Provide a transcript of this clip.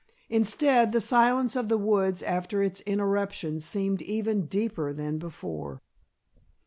Instead, the silence of the woods after its interruption seemed even deeper than before.